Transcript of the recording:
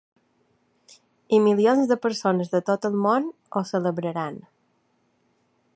I milions de persones de tot el món ho celebraran.